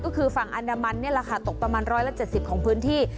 ก็คือฝั่งอันดามันราคาตกประมาณ๑๗๐ของพื้นที่